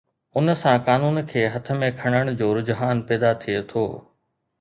ان سان قانون کي هٿ ۾ کڻڻ جو رجحان پيدا ٿئي ٿو.